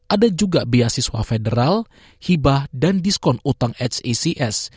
ada juga beasiswa federal hibah dan diskon utang hecs